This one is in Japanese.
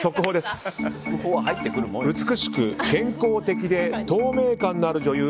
美しく健康的で透明感のある女優